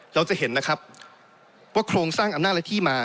เราจะเห็นนะครับว่าโครงสร้างอำนาจและที่มา